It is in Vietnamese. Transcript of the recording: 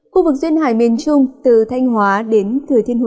khu vực duyên hải miền trung từ thanh hóa đến thừa thiên huế